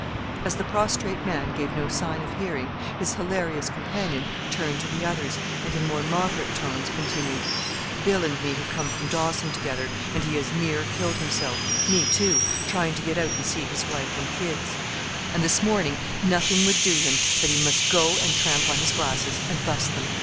As the prostrate man gave no sign of hearing, his hilarious companion turned to the others, and in more moderate tones continued, "Bill and me have come from Dawson together, and he has near killed himself me, too trying to get out and see his wife and kids; and this morning nothing would do him but he must go and tramp on his glasses, and bust them.